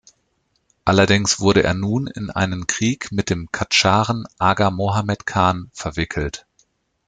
Allerdings wurde er nun in einen Krieg mit dem Kadscharen Aga Mohammed Khan verwickelt.